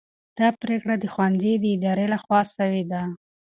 دا پرېکړه د ښوونځي د ادارې لخوا سوې ده.